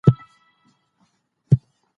انار او انګور د کندهار غوره او مشهوره مېوې دي